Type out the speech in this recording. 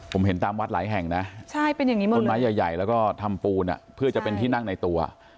ผมเห็นตามวัดหลายแห่งนะต้นไม้ใหญ่แล้วก็ทำปูนเพื่อจะเป็นที่นั่งในตัว